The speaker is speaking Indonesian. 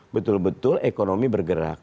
betul betul ekonomi bergerak